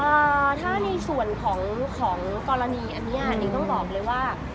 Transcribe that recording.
อ่าถ้าในส่วนของกรณีอันนี้หนิงต้องบอกเลยว่า